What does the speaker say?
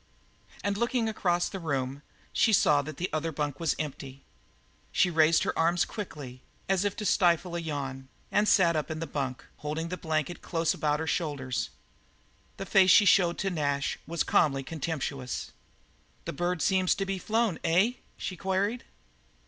And looking across the room, she saw that the other bunk was empty. She raised her arms quickly, as if to stifle a yawn, and sat up in the bunk, holding the blanket close about her shoulders. The face she showed to Nash was calmly contemptuous. "The bird seems to be flown, eh?" she queried.